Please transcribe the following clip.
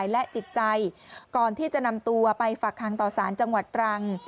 และจิตใจก่อนที่จะนำตัวไปฝากคังต่อสารจังหวัดตรัง